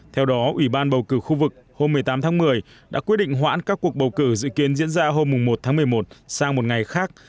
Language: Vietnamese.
theo đó ủy ban bầu cử khu vực hôm một mươi tám tháng một mươi đã quyết định hoãn các cuộc bầu cử dự kiến diễn ra hôm một tháng một mươi một sang một ngày khác